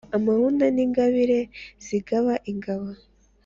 amahunda n' ingabire zigaba ingabo;